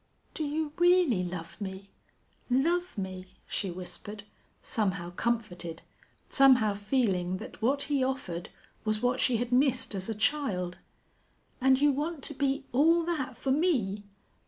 "Do you really love me love me?" she whispered, somehow comforted, somehow feeling that what he offered was what she had missed as a child. "And you want to be all that for me?"